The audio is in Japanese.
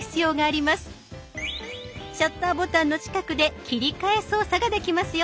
シャッターボタンの近くで切り替え操作ができますよ。